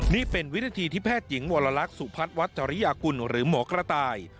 นี่เป็นวินาทีที่แพทย์หญิงวรรลักษณ์สุพัฒน์วัชริยากุลหรือหมอกระต่าย